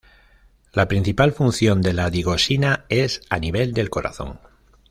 La principal función de la digoxina es a nivel del corazón.